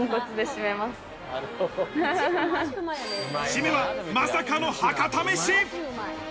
締めは、まさかの博多飯。